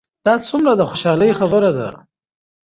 دا څومره د خوشحالۍ خبر ده؟